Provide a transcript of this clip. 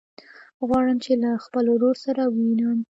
غواړم چې له خپل ورور سره ووينم.